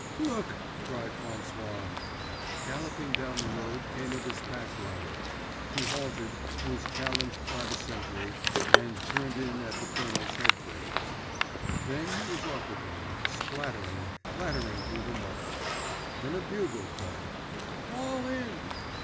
"Look!" cried François. Galloping down the road came a dispatch rider. He halted, was challenged by the sentry, and turned in at the colonel's headquarters. Then he was off again, splattering, clattering through the mud. Then a bugle call: "_Fall in!